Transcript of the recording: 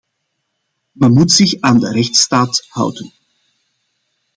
Men moet zich aan de rechtsstaat houden.